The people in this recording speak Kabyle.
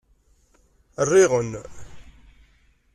Rriɣ-n.